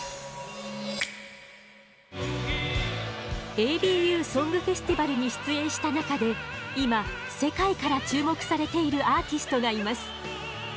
「ＡＢＵソングフェスティバル」に出演した中で今世界から注目されているアーティストがいます。